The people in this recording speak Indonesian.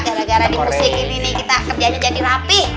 gara gara di musik ini nih kita kerjanya jadi rapi